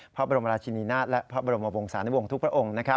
พระบรมราชินีณาธิ์และพระบรมปงษาในวงทุกข์พระองค์